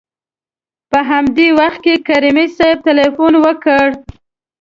په همدې وخت کې کریمي صیب تلېفون وکړ.